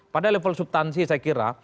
pada level subtansi saya kira